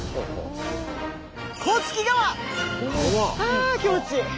ああ気持ちいい！